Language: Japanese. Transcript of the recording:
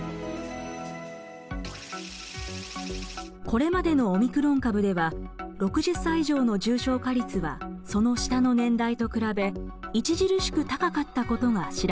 これまでのオミクロン株では６０歳以上の重症化率はその下の年代と比べ著しく高かったことが知られています。